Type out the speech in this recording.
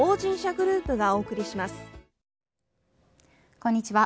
こんにちは。